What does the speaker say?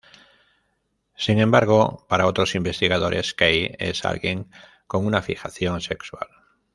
Sin embargo, para otros investigadores Key es alguien con una fijación sexual.